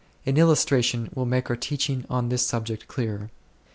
An illustration will make our teaching on this subject clearer.